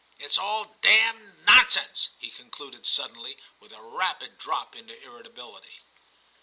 It's all damn nonsense,' he concluded suddenly, with a rapid drop into irritability.